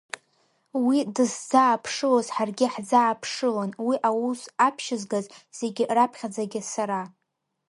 Уи дызӡааԥшылоз ҳаргьы ҳӡааԥшылон, уи аус аԥшьызгаз, зегьы раԥхьаӡагьы сара.